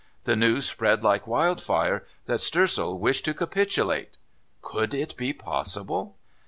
The news spread like wild fire that Stoessel wished to capitulate. Could it be possible?